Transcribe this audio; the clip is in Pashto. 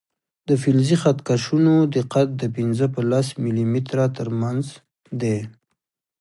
د فلزي خط کشونو دقت د پنځه په لس ملي متره تر منځ دی.